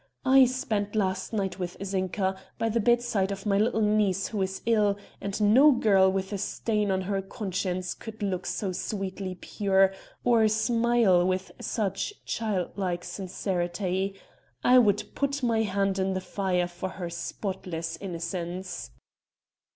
I spent last night with Zinka, by the bedside of my little niece who is ill, and no girl with a stain on her conscience could look so sweetly pure or smile with such childlike sincerity. I would put my hand in the fire for her spotless innocence!"